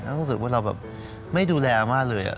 แล้วเรารู้สึกว่าเราแบบไม่ดูแลอามาเลยอะ